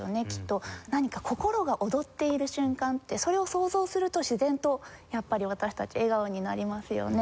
何か心が躍っている瞬間ってそれを想像すると自然とやっぱり私たち笑顔になりますよね。